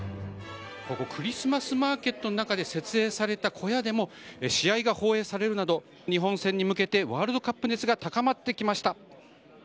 クリスマスマーケットの中に設営された小屋でも試合が放映されるなど日本戦に向けてワールドカップ熱が高まってきました。